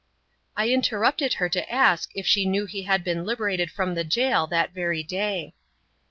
I interrupted her to ask if she knew he had been liberated from the jail that very day.